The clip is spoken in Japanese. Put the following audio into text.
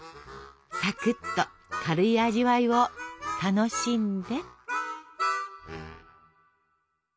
サクッと軽い味わいを楽しんで。